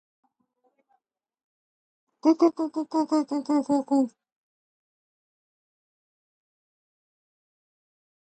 The large fair started as a show of farm animals.